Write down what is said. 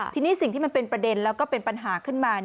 ทีนี้สิ่งที่มันเป็นประเด็นแล้วก็เป็นปัญหาขึ้นมา